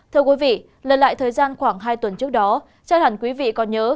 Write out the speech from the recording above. thưa quý vị lần lại thời gian khoảng hai tuần trước đó chắc hẳn quý vị còn nhớ